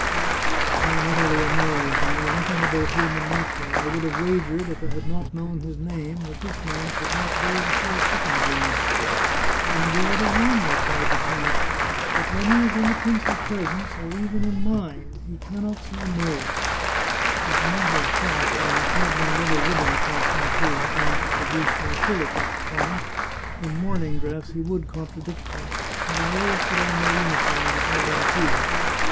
" I am utterly amazed ! I know nothing about human nature. I would have wagered, if I had not known his name, that this man could not bear to see a chicken bleed." " And you would have won," replied the count. " But when he is in the prince's presence, or even in mine, he 144 The Chartreuse of Parma can not say * No.' As a matter of fact, I must have my yel low ribbon across my coat if I am to produce my full effect upon him ; in morning dress he would contradict me, and I always put on my uniform before I receive him.